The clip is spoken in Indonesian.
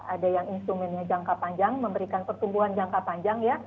ada yang instrumennya jangka panjang memberikan pertumbuhan jangka panjang ya